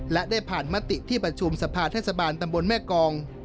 และได้ผ่านมติที่ประชุมสภาเทศบาลตำบลแม่กอง